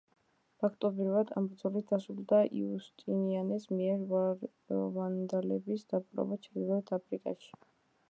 ფაქტობრივად ამ ბრძოლით დასრულდა იუსტინიანეს მიერ ვანდალების დაპყრობა ჩრდილოეთ აფრიკაში.